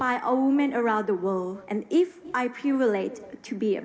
ตอนอยู่บนเวทีร้องไห้หลังมากเหมือนเด็กเลยอ่ะ